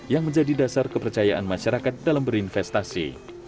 yang menjadi dasar kepercayaan masyarakat dalam berinvestasi